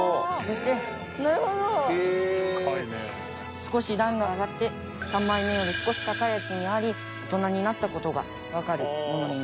少し段が上がって３枚目より少し高い位置にあり大人になった事がわかるものになってます。